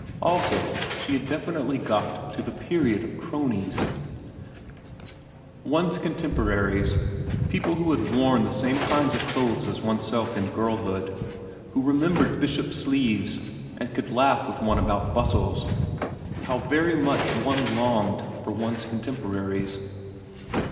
Also she had definitely got to the period of cronies. 140 VERA xn One's contemporaries people who had worn the same kinds of clothes as oneself in girlhood, who remembered bishop's sleeves and could laugh with one about bustles how very much one longed for one's contemporaries.